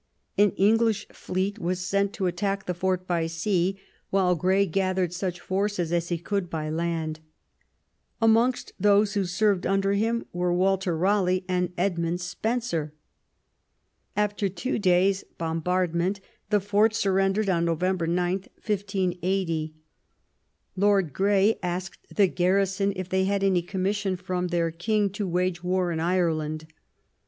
An English fleet was sent to attack the fort by sea, while Grey gathered such forces as he could by land. Amongst those who served under him were Walter Raleigh and Edmund Spenser. After two days' bombardment the fort surrendered on November 9, 1580. Lord Grey asked the garrison if they had any commission from their King to wage war in Ireland.